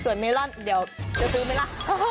ส่วนเมลอนเดี๋ยวจะซื้อไหมล่ะ